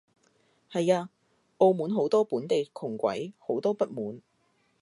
係啊，澳門好多本地窮鬼，好多不滿